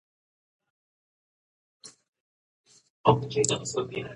خپل ماشومان د جګړې له فکره لرې وساتئ.